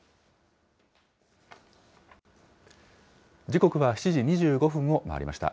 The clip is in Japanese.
時刻は７時２５分を回りました。